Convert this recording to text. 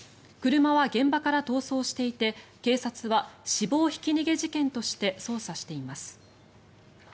車は現場から逃走していて警察は死亡ひき逃げ事件として捜査しています。